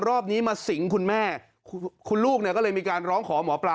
รอบนี้มาสิงคุณแม่คุณลูกได้มร้องของหมอปลา